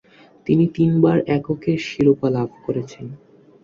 তিনি তিনবার এককের শিরোপা লাভ করেছেন।